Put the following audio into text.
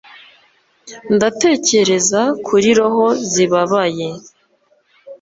Ndatekereza kuri roho zibabaye